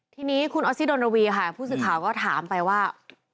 ทีนี้คุณออสซี่ดนรวีค่ะผู้สื่อข่าวก็ถามไปว่า